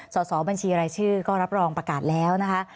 สอบบัญชีรายชื่อก็รับรองประกาศแล้วนะคะ